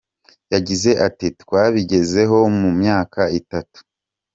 Yagize ati “Twabigezeho mu myaka itatu.